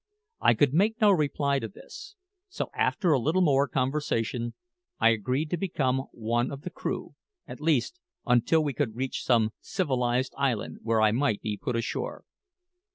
I could make no reply to this; so, after a little more conversation, I agreed to become one of the crew at least, until we could reach some civilised island where I might be put ashore.